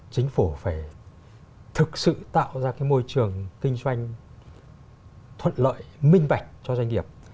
chính phủ phải thực sự tạo ra môi trường kinh doanh thuận lợi minh vạch cho doanh nghiệp